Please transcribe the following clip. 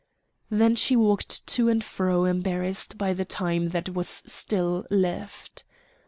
Then she walked to and fro embarrassed by the time that was still left.